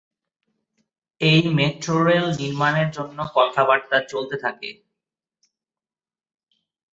এই metro rail নির্মাণের জন্য কথা বার্তা চলতে থাকে।